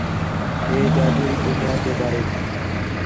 ہِے جادوئی دُنیا تے باریک